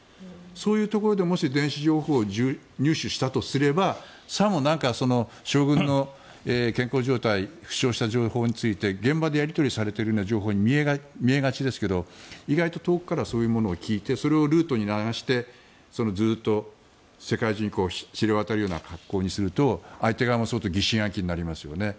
そういうところでもし電子情報を入手したとすればさも将軍の健康状態負傷した情報について現場でやり取りされている情報に見えがちですけど意外と遠くからそういうものを聞いてそれをルートに流してずっと世界中に知れ渡るような格好にすると相手側も相当疑心暗鬼になりますよね。